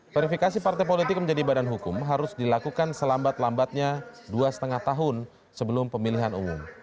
verifikasi partai politik menjadi badan hukum harus dilakukan selambat lambatnya dua lima tahun sebelum pemilihan umum